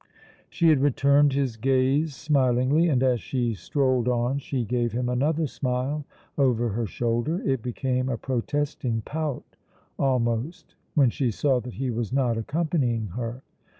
She had returned his gaze smilingly, and as she strolled on she gave him another smile over her shoulder; it became a protesting pout almost when she saw that he was not accompanying her.